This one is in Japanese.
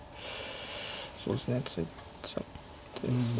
そうですね突いちゃって。